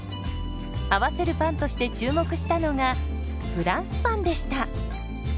合わせるパンとして注目したのがフランスパンでした。